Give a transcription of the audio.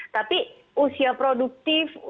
tapi usia produktifnya